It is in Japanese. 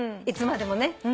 いつまでもね。